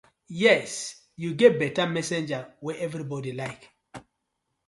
Yes yu get betta messenger wey everybodi like.